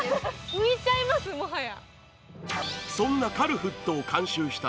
浮いちゃいます、もはや。